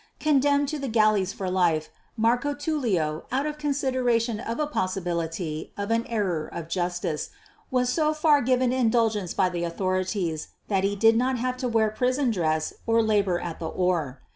Condemned to the galleys for life, Marco Tullio, out of consideration of a possibility of an error of justice, was so far given indulgence by the authorities that he did not have to wear prison dress or labour at the oar.